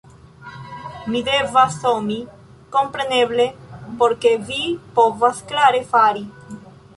Mi devas zomi, kompreneble, por ke vi povas klare fari